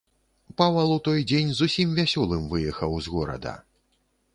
Павал у той дзень зусім вясёлым выехаў з горада.